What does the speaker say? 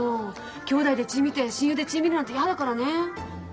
姉妹で血見て親友で血見るなんてやだからね。